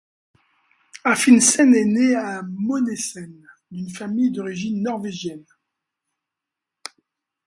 Anfinsen est né à Monessen d'une famille d'origine norvégienne.